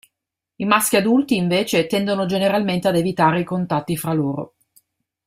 I maschi adulti, invece, tendono generalmente ad evitare i contatti fra loro.